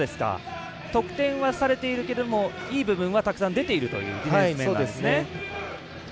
得点はされているけれどもいい部分はたくさん出ているディフェンス面なんですね。